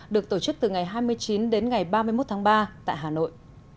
được tổ chức từ ngày hai mươi chín đến ngày ba mươi một tháng ba tại hà nội